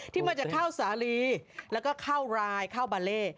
ที่มาจากข้าวสาลีแล้วก็ข้าวรายข้าวบาเล่